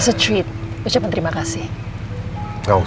jadi kita harus beri air ke teman mu